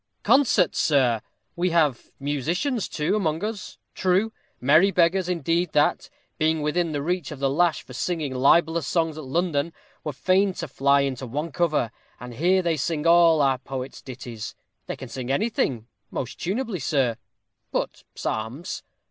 _ Concert, sir! we have musicians, too, among us. True, merry beggars, indeed, that, being within the reach of the lash for singing libellous songs at London, were fain to fly into one cover, and here they sing all our poets' ditties. They can sing anything, most tunably, sir, but psalms.